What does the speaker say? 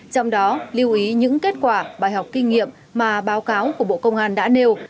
trong đó lưu ý những kết quả bài học kinh nghiệm mà báo cáo của bộ công an đã nêu